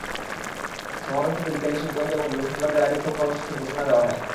সমাবেশ থেকে বিকেলে শিবগঞ্জে এবং বৃহস্পতিবার জেলায় বিক্ষোভ কর্মসূচির ঘোষণা দেওয়া হয়।